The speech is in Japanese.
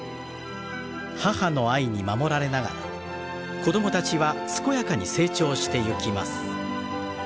母の愛に守られながら子供たちは健やかに成長してゆきます。